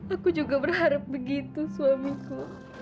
aku juga berharap begitu suamiku